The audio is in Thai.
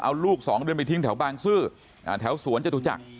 เอาลูก๒เดือนไปทิ้งแถวบางซื่อแถวสวนจตุจักร